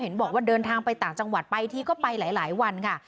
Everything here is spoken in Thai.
บอกว่าเดินทางไปต่างจังหวัดไปทีก็ไปหลายวันค่ะ